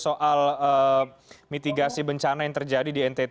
soal mitigasi bencana yang terjadi di ntt